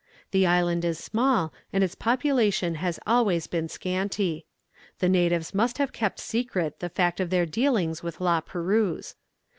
The island is small, and its population has always been scanty. The natives must have kept secret the fact of their dealings with La Perouse.